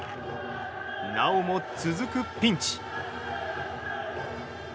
なおも続くピンチ。